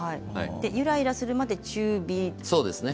ゆらゆらするまで中火ですね。